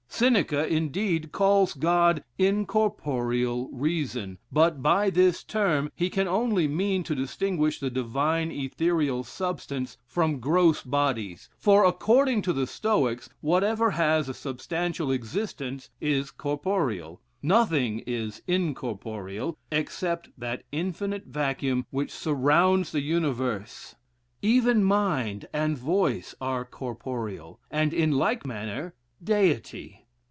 Seneca, indeed, calls God incorporeal reason; but by this term he can only mean to distinguish the divine ethereal substance from gross bodies; for, according to the Stoics, whatever has a substantial existence is corporeal; nothing is incorporeal, except that infinite vacuum which surrounds the universe; even mind and voice are corporeal, and, in like manner, Deity.